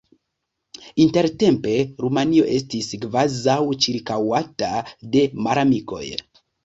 Intertempe Rumanio estis kvazaŭ ĉirkaŭata de malamikoj.